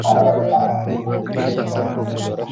حکومت باید مرسته وغواړي.